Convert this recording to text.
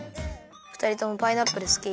ふたりともパイナップルすき？